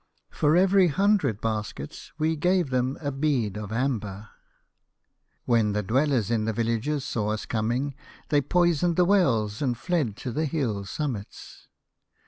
For every hundred baskets we gave them a bead of amber. " When the dwellers in the villages saw us coming, they poisoned the wells and fled to the hill summits.